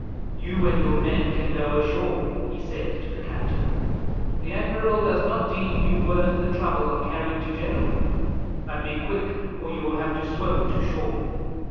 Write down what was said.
"You and your men can go ashore," he said to the captain. "The admiral does not deem you worth the trouble of carrying to Genoa; but be quick, or you will have to swim to shore."